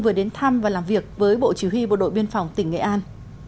vừa đến thăm và làm việc với bộ chỉ huy bộ đội biên phòng tỉnh nghệ an